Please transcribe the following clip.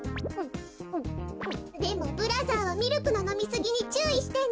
でもブラザーはミルクののみすぎにちゅういしてね。